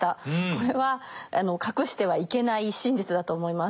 これは隠してはいけない真実だと思います。